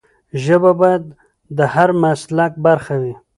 ژبه باید د هر مسلک برخه وي.